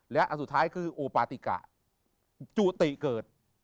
และอันสุดท้ายคือโอปาติกะจุติเกิด